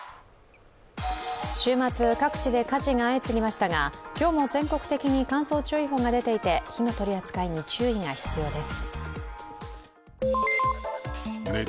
週末、各地で火事が相次ぎましたが今日も全国的に乾燥注意報が出ていて火の取り扱いに注意が必要です。